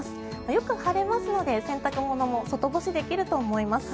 よく晴れますので、洗濯物も外干しできると思います。